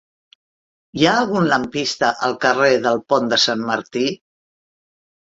Hi ha algun lampista al carrer del Pont de Sant Martí?